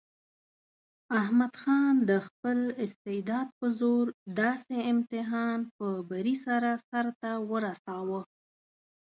احمد خان د خپل استعداد په زور داسې امتحان په بري سره سرته ورساوه.